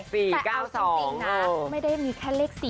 แต่เอาจริงนะไม่ได้มีแค่เลข๔